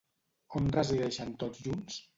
On resideixen tots junts?